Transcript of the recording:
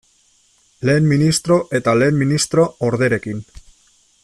Lehen ministro eta lehen ministro orderekin.